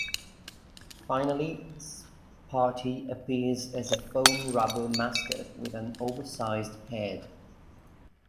Finally, Sparty appears as a foam rubber mascot with an oversized head.